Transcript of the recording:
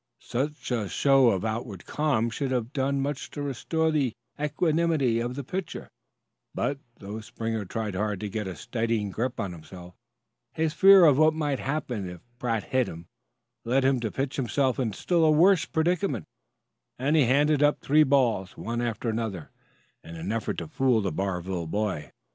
Such a show of outward calm should have done much to restore the equanimity of the pitcher; but, though Springer tried hard to get a steadying grip on himself, his fear of what might happen if Pratt hit him led him to pitch himself into a still worse predicament; and he handed up three balls, one after another, in an effort to fool the Barville boy.